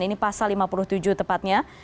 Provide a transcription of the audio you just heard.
ini pasal lima puluh tujuh tepatnya